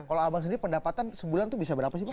kalau abang sendiri pendapatan sebulan itu bisa berapa sih pak